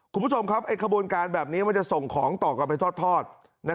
คุณผู้ชมครับขบวนการแบบนี้มันจะส่งของต่อกันไปทอด